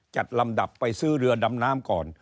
ลำดับไปซื้อเรือดำน้ำก่อน